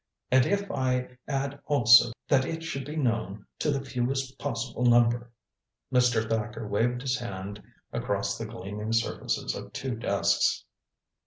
And if I add also that it should be known to the fewest possible number." Mr. Thacker waved his hand across the gleaming surfaces of two desks.